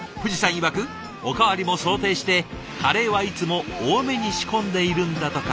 いわくおかわりも想定してカレーはいつも多めに仕込んでいるんだとか。